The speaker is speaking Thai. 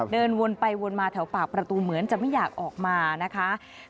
เดินวนไปวนมาแถวปากประตูเหมือนจะไม่อยากออกมานะคะ